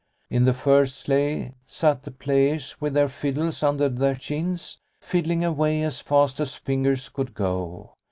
In the first sleigh sat the players with their fiddles under their chins, fiddling away as fast as fingers could go.